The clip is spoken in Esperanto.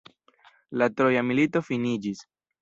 La Troja milito finiĝis.